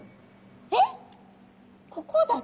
えっここだけ？